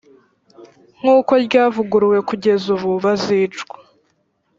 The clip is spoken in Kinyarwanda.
nk uko ryavuguruwe kugeza ubu bazicwa